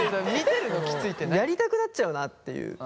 やりたくなっちゃうなっていう。